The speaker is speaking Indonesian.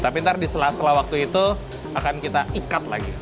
tapi ntar di setelah setelah waktu itu akan kita ikat lagi